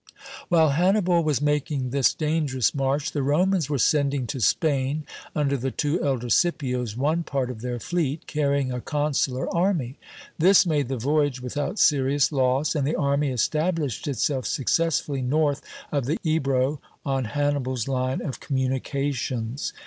While Hannibal was making this dangerous march, the Romans were sending to Spain, under the two elder Scipios, one part of their fleet, carrying a consular army. This made the voyage without serious loss, and the army established itself successfully north of the Ebro, on Hannibal's line of communications.